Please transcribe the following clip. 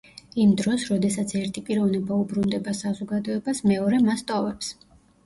იმ დროს, როდესაც ერთი პიროვნება უბრუნდება საზოგადოებას, მეორე მას ტოვებს.